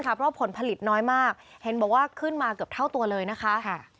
เพราะผลผลิตน้อยมากเห็นบอกว่าขึ้นมาเกือบเท่าตัวเลยนะคะ